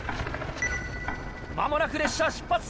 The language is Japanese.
間もなく列車は出発。